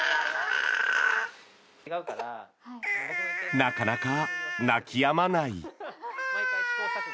なかなか泣きやまない。